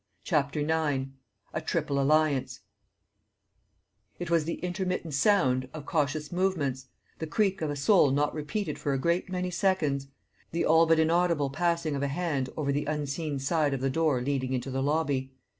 CHAPTER IX A Triple Alliance It was the intermittent sound of cautious movements, the creak of a sole not repeated for a great many seconds, the all but inaudible passing of a hand over the unseen side of the door leading into the lobby.